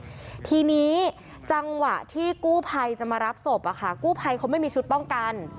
ทีนี้จังหวะที่กู้ภัยจะมารับศพอะค่ะกู้ภัยเขาไม่มีชุดป้องกัน